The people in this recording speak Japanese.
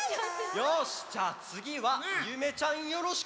よしじゃあつぎはゆめちゃんよろしく！